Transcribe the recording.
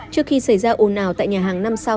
trước khi xảy ra ồn ào tại nhà hàng năm sau